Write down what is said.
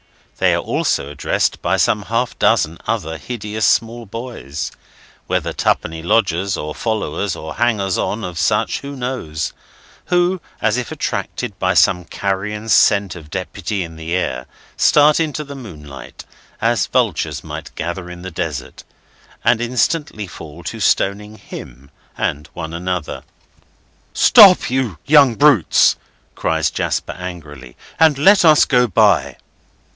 They are also addressed by some half dozen other hideous small boys—whether twopenny lodgers or followers or hangers on of such, who knows!—who, as if attracted by some carrion scent of Deputy in the air, start into the moonlight, as vultures might gather in the desert, and instantly fall to stoning him and one another. "Stop, you young brutes," cries Jasper angrily, "and let us go by!"